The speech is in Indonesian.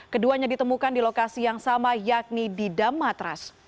keduanya ditemukan di lokasi yang sama yakni di dammatras